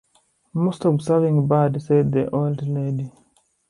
"Most observing bird," said the old lady.